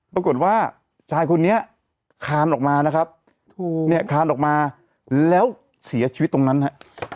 ปรากฏว่าชายคนนี้คลานออกมานะครับเนี่ยคานออกมาแล้วเสียชีวิตตรงนั้นฮะ